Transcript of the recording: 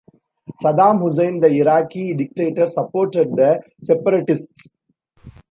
Saddam Hussein, the Iraqi dictator, supported the separatists.